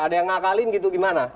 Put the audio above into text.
ada yang mengakali itu bagaimana